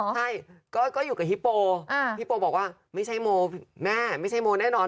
ใช่ก็อยู่กับฮิปโปฮิปโปบอกว่าไม่ใช่โมแม่ไม่ใช่โมแน่นอน